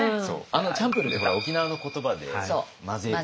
チャンプルーって沖縄の言葉で混ぜる。